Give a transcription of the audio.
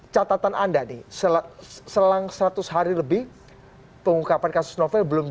catatan anda nih selang seratus hari lebih pengungkapan kasus novel belum